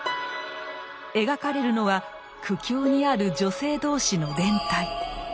描かれるのは苦境にある女性同士の連帯。